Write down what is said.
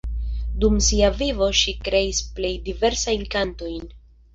Dum sia vivo ŝi kreis plej diversajn kantojn.